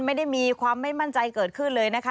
ไม่ได้มีความไม่มั่นใจเกิดขึ้นเลยนะคะ